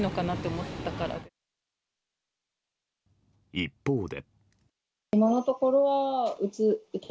一方で。